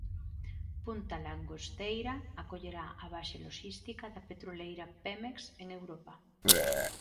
Punta Langosteira acollerá a base loxística da petroleira Pemex en Europa.